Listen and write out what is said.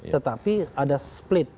tetapi ada split